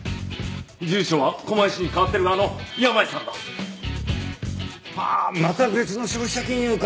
住所は狛江市に変わってるがあの山家さんだ！はあまた別の消費者金融か。